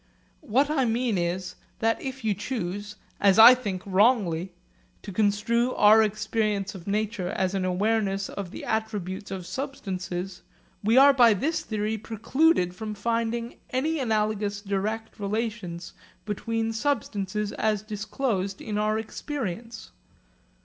What I mean is, that if you choose as I think wrongly to construe our experience of nature as an awareness of the attributes of substances, we are by this theory precluded from finding any analogous direct relations between substances as disclosed in our experience.